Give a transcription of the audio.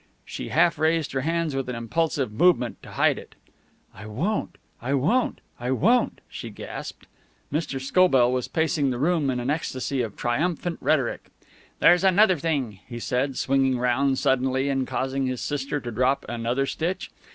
She half raised her hands with an impulsive movement to hide it. "I won't. I won't. I won't!" she gasped. Mr. Scobell was pacing the room in an ecstasy of triumphant rhetoric. "There's another thing," he said, swinging round suddenly and causing his sister to drop another stitch.